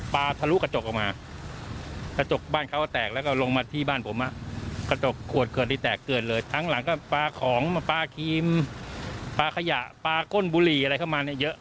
ผมไม่ได้ได้เรียนเรื่องขักพู้สิบ